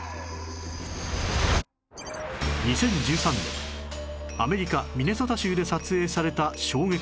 ２０１３年アメリカミネソタ州で撮影された衝撃映像